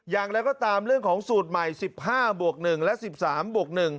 อย่างไรก็ตามเรื่องของสูตรใหม่๑๕บวก๑และ๑๓บวก๑